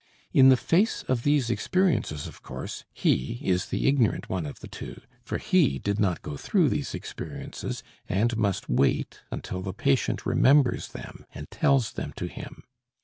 In the face of these experiences, of course, he is the ignorant one of the two, for he did not go through these experiences, and must wait until the patient remembers them and tells them to him.